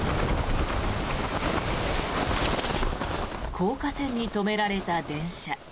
高架線に止められた電車。